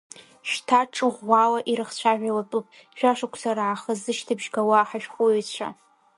Шьҭа ҿыӷәӷәала ирыхцәажәалатәуп жәашықәса раахыс зышьҭыбжь гауа ҳашәҟәыҩҩцәа…